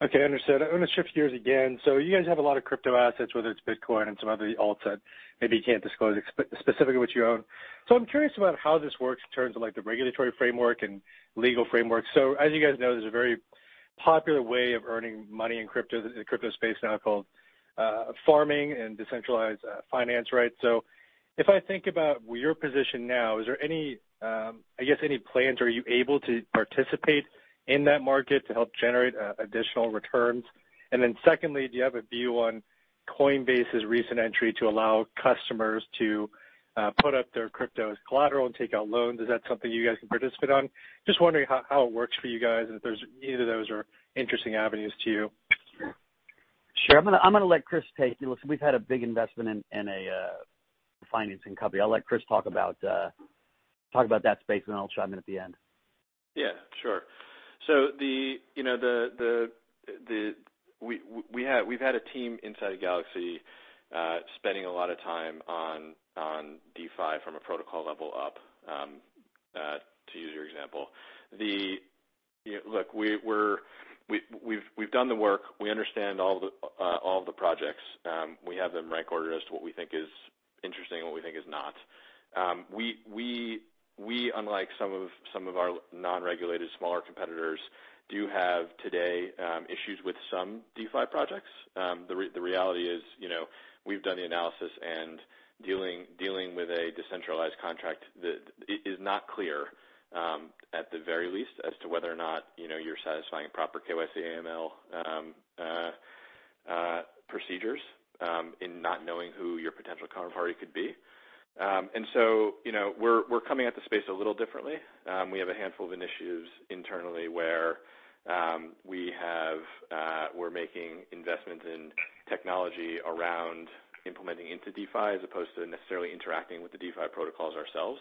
Okay. Understood. I'm going to shift gears again. So you guys have a lot of crypto assets, whether it's Bitcoin and some other alt that maybe you can't disclose specifically what you own. So I'm curious about how this works in terms of the regulatory framework and legal framework. So as you guys know, there's a very popular way of earning money in crypto space now called farming and decentralized finance, right? So if I think about your position now, is there, I guess, any plans? Are you able to participate in that market to help generate additional returns? And then secondly, do you have a view on Coinbase's recent entry to allow customers to put up their crypto as collateral and take out loans? Is that something you guys can participate on? Just wondering how it works for you guys and if there's either of those or interesting avenues to you.
Sure. I'm going to let Chris take it. Listen, we've had a big investment in a financing company. I'll let Chris talk about that space, and I'll chime in at the end.
Yeah. Sure. So we've had a team inside of Galaxy spending a lot of time on DeFi from a protocol level up, to use your example. Look, we've done the work. We understand all of the projects. We have them rank ordered as to what we think is interesting and what we think is not. We, unlike some of our non-regulated smaller competitors, do have today issues with some DeFi projects. The reality is we've done the analysis, and dealing with a decentralized contract is not clear, at the very least, as to whether or not you're satisfying proper KYC/AML procedures in not knowing who your potential counterparty could be. And so we're coming at the space a little differently. We have a handful of initiatives internally where we're making investments in technology around implementing into DeFi as opposed to necessarily interacting with the DeFi protocols ourselves.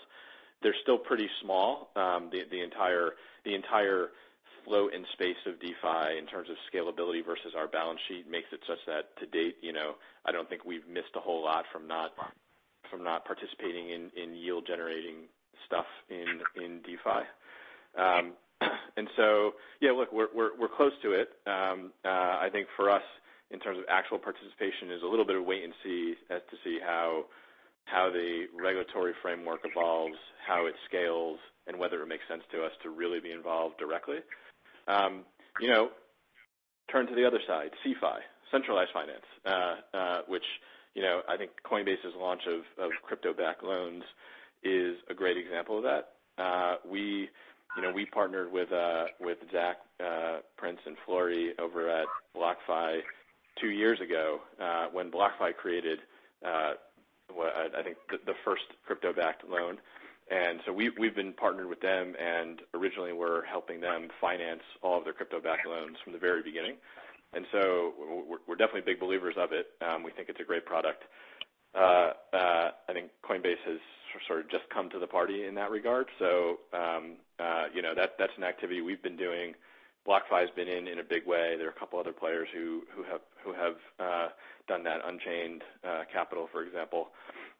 They're still pretty small. The entire flow and space of DeFi in terms of scalability versus our balance sheet makes it such that to date, I don't think we've missed a whole lot from not participating in yield-generating stuff in DeFi. And so, yeah, look, we're close to it. I think for us, in terms of actual participation, is a little bit of wait and see as to see how the regulatory framework evolves, how it scales, and whether it makes sense to us to really be involved directly. Turn to the other side, CeFi, centralized finance, which I think Coinbase's launch of crypto-backed loans is a great example of that. We partnered with Zac Prince and Flori Marquez over at BlockFi two years ago when BlockFi created, I think, the first crypto-backed loan. And so we've been partnered with them and originally were helping them finance all of their crypto-backed loans from the very beginning. And so we're definitely big believers of it. We think it's a great product. I think Coinbase has sort of just come to the party in that regard. So that's an activity we've been doing. BlockFi has been in a big way. There are a couple of other players who have done that, Unchained Capital, for example.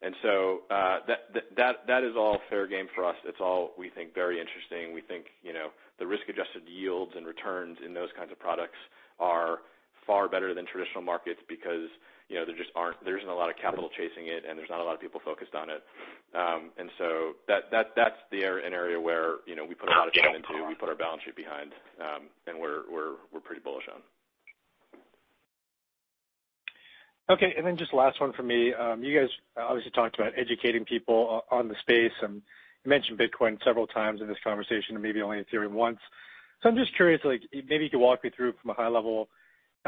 And so that is all fair game for us. It's all, we think, very interesting. We think the risk-adjusted yields and returns in those kinds of products are far better than traditional markets because there isn't a lot of capital chasing it, and there's not a lot of people focused on it. And so that's an area where we put a lot of time into. We put our balance sheet behind, and we're pretty bullish on.
Okay. And then just last one for me. You guys obviously talked about educating people on the space, and you mentioned Bitcoin several times in this conversation and maybe only Ethereum once. So I'm just curious, maybe you could walk me through from a high level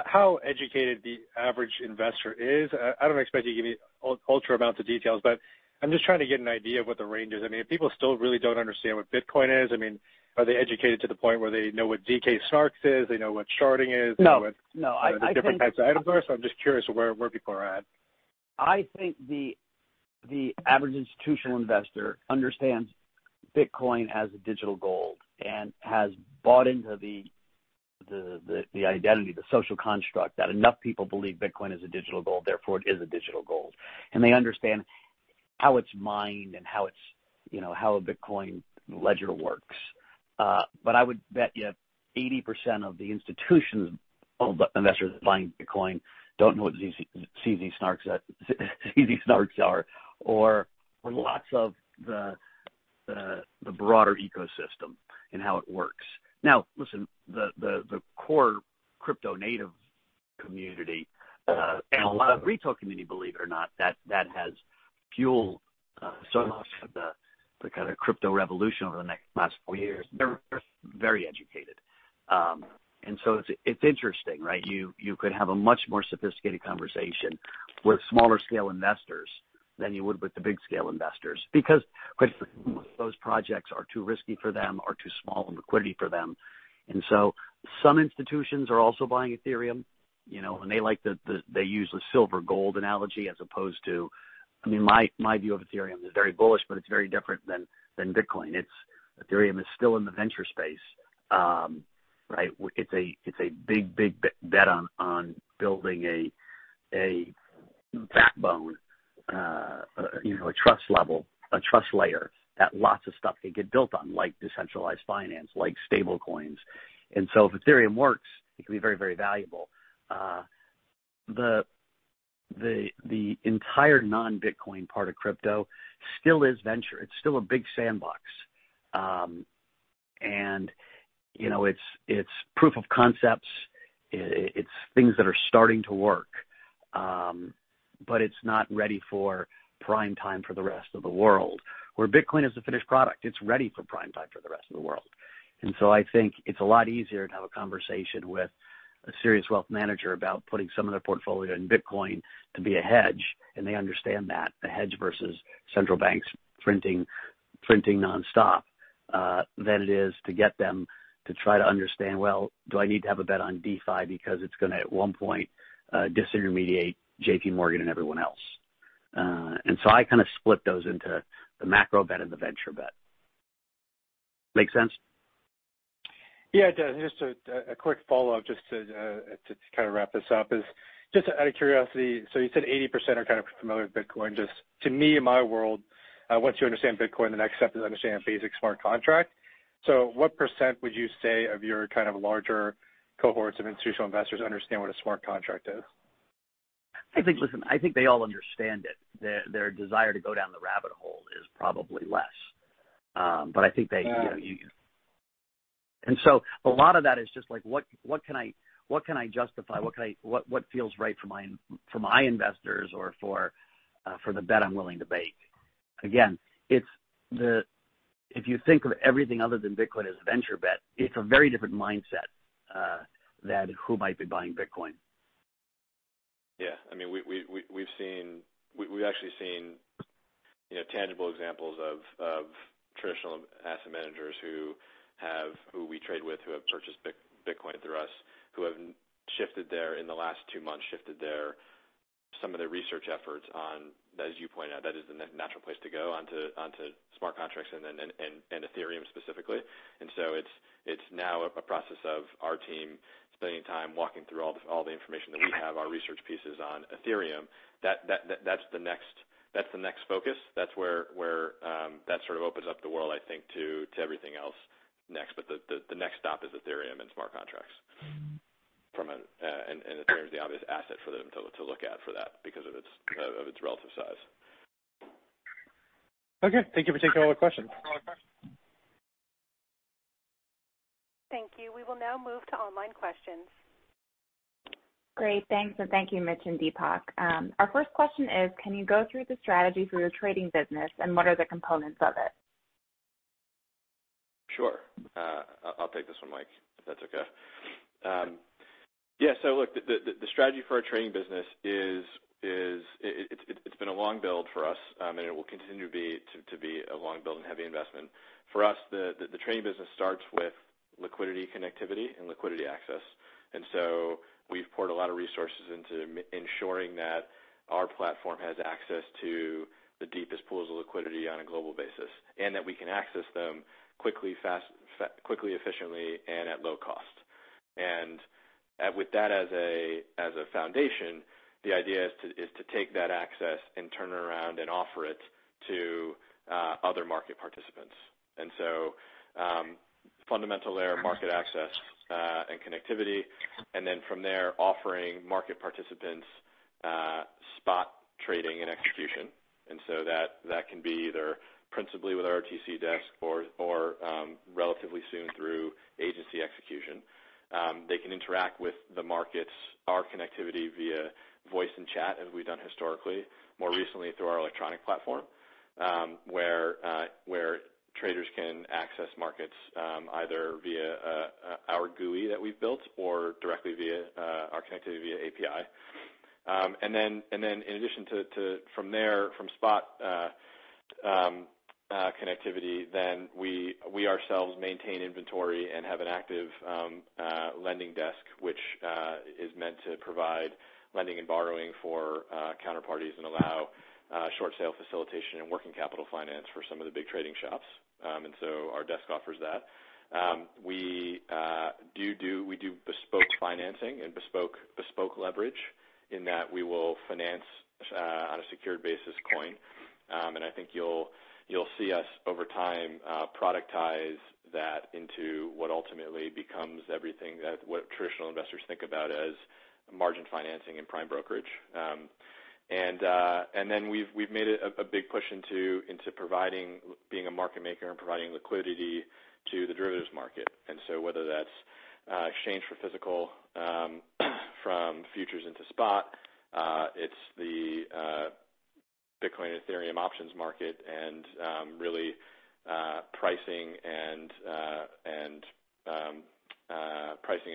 how educated the average investor is. I don't expect you to give me ultra amounts of details, but I'm just trying to get an idea of what the range is. I mean, people still really don't understand what Bitcoin is. I mean, are they educated to the point where they know what zk-SNARKs is? They know what sharding is? They know what different types of items are? So I'm just curious where people are at.
I think the average institutional investor understands Bitcoin as digital gold and has bought into the identity, the social construct that enough people believe Bitcoin is a digital gold, therefore it is a digital gold. And they understand how it's mined and how a Bitcoin ledger works. But I would bet you 80% of the institutional investors buying Bitcoin don't know what zk-SNARKs are or lots of the broader ecosystem and how it works. Now, listen, the core crypto-native community and a lot of retail community, believe it or not, that has fueled so much of the kind of crypto revolution over the last four years. They're very educated. And so it's interesting, right? You could have a much more sophisticated conversation with smaller-scale investors than you would with the big-scale investors because those projects are too risky for them or too small in liquidity for them. Some institutions are also buying Ethereum, and they like to use the silver-gold analogy as opposed to, I mean, my view of Ethereum is very bullish, but it's very different than Bitcoin. Ethereum is still in the venture space, right? It's a big, big bet on building a backbone, a trust level, a trust layer that lots of stuff can get built on, like decentralized finance, like stablecoins. If Ethereum works, it can be very, very valuable. The entire non-Bitcoin part of crypto still is venture. It's still a big sandbox, and it's proof of concepts. It's things that are starting to work, but it's not ready for prime time for the rest of the world. Where Bitcoin is the finished product, it's ready for prime time for the rest of the world. And so I think it's a lot easier to have a conversation with a serious wealth manager about putting some of their portfolio in Bitcoin to be a hedge, and they understand that, the hedge versus central banks printing nonstop, than it is to get them to try to understand, "Well, do I need to have a bet on DeFi because it's going to, at one point, disintermediate JPMorgan and everyone else?" And so I kind of split those into the macro bet and the venture bet. Makes sense?
Yeah, it does. Just a quick follow-up just to kind of wrap this up is just out of curiosity, so you said 80% are kind of familiar with Bitcoin. Just to me, in my world, once you understand Bitcoin, the next step is to understand a basic smart contract. So what percent would you say of your kind of larger cohorts of institutional investors understand what a smart contract is?
I think, listen, I think they all understand it. Their desire to go down the rabbit hole is probably less. But I think they, and so a lot of that is just like, "What can I justify? What feels right for my investors or for the bet I'm willing to make?" Again, if you think of everything other than Bitcoin as a venture bet, it's a very different mindset than who might be buying Bitcoin.
Yeah. I mean, we've actually seen tangible examples of traditional asset managers who we trade with who have purchased Bitcoin through us who have, in the last two months, shifted some of their research efforts on, as you point out, that is the natural place to go onto smart contracts and Ethereum specifically. And so it's now a process of our team spending time walking through all the information that we have, our research pieces on Ethereum. That's the next focus. That's where that sort of opens up the world, I think, to everything else next. But the next stop is Ethereum and smart contracts. And Ethereum is the obvious asset for them to look at for that because of its relative size.
Okay. Thank you for taking all the questions.
Thank you. We will now move to online questions.
Great. Thanks. And thank you, Mitch and Deepak. Our first question is, can you go through the strategy for your trading business, and what are the components of it?
Sure. I'll take this one, Mike, if that's okay. Yeah, so look, the strategy for our trading business is it's been a long build for us, and it will continue to be a long build and heavy investment. For us, the trading business starts with liquidity, connectivity, and liquidity access, and so we've poured a lot of resources into ensuring that our platform has access to the deepest pools of liquidity on a global basis and that we can access them quickly, efficiently, and at low cost. And with that as a foundation, the idea is to take that access and turn it around and offer it to other market participants, and so fundamental there, market access and connectivity, and then from there, offering market participants spot trading and execution, and so that can be either principally with our OTC desk or relatively soon through agency execution. They can interact with the markets, our connectivity via voice and chat, as we've done historically, more recently through our electronic platform where traders can access markets either via our GUI that we've built or directly via our connectivity via API. And then in addition to from there, from spot connectivity, then we ourselves maintain inventory and have an active lending desk, which is meant to provide lending and borrowing for counterparties and allow short sale facilitation and working capital finance for some of the big trading shops. And so our desk offers that. We do bespoke financing and bespoke leverage in that we will finance on a secured basis coin. And I think you'll see us over time productize that into what ultimately becomes everything that traditional investors think about as margin financing and prime brokerage. And then we've made a big push into being a market maker and providing liquidity to the derivatives market. And so whether that's exchange for physical from futures into spot, it's the Bitcoin and Ethereum options market, and really pricing and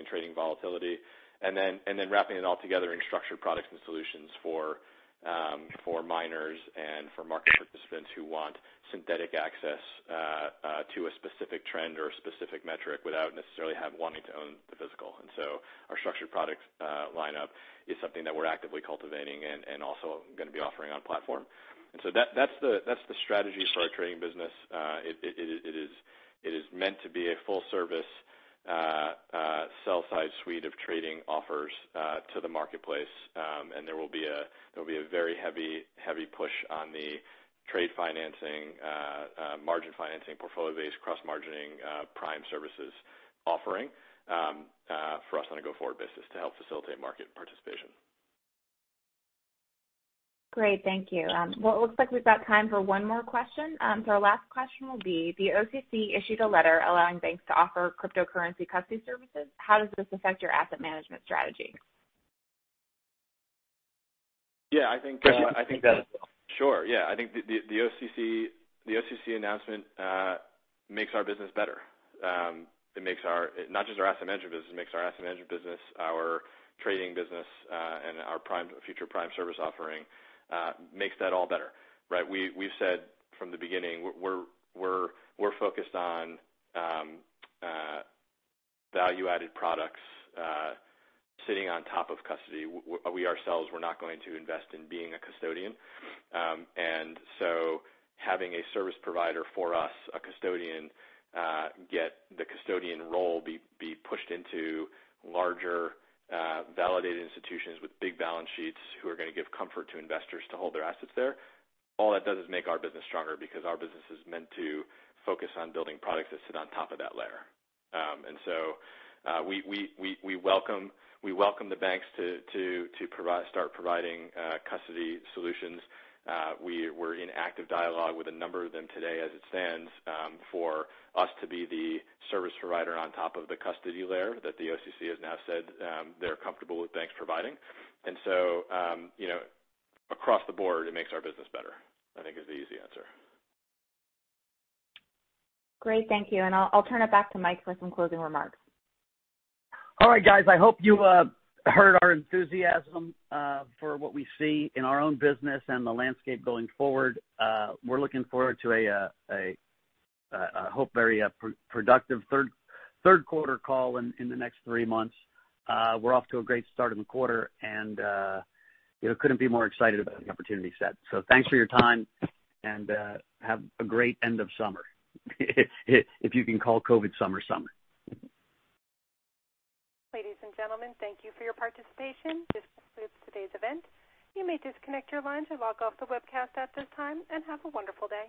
trading volatility, and then wrapping it all together in structured products and solutions for miners and for market participants who want synthetic access to a specific trend or a specific metric without necessarily wanting to own the physical. And so our structured product lineup is something that we're actively cultivating and also going to be offering on platform. And so that's the strategy for our trading business. It is meant to be a full-service sell-side suite of trading offers to the marketplace, and there will be a very heavy push on the trade financing, margin financing, portfolio-based, cross-margining, prime services offering for us on a go-forward basis to help facilitate market participation.
Great. Thank you. It looks like we've got time for one more question. Our last question will be, the OCC issued a letter allowing banks to offer cryptocurrency custody services. How does this affect your asset management strategy?
Yeah. Sure. I think the OCC announcement makes our business better. It makes not just our asset management business. It makes our asset management business, our trading business, and our future prime service offering makes that all better, right? We've said from the beginning, we're focused on value-added products sitting on top of custody. We ourselves, we're not going to invest in being a custodian. And so having a service provider for us, a custodian, get the custodian role be pushed into larger, validated institutions with big balance sheets who are going to give comfort to investors to hold their assets there, all that does is make our business stronger because our business is meant to focus on building products that sit on top of that layer. And so we welcome the banks to start providing custody solutions. We're in active dialogue with a number of them today, as it stands, for us to be the service provider on top of the custody layer that the OCC has now said they're comfortable with banks providing, and so across the board, it makes our business better, I think, is the easy answer.
Great. Thank you. And I'll turn it back to Mike for some closing remarks.
All right, guys. I hope you heard our enthusiasm for what we see in our own business and the landscape going forward. We're looking forward to, I hope, a very productive third-quarter call in the next three months. We're off to a great start in the quarter, and couldn't be more excited about the opportunity set. So thanks for your time, and have a great end of summer, if you can call COVID summer summer.
Ladies and gentlemen, thank you for your participation. This concludes today's event. You may disconnect your lines or log off the webcast at this time and have a wonderful day.